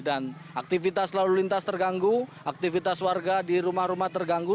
dan aktivitas lalu lintas terganggu aktivitas warga di rumah rumah terganggu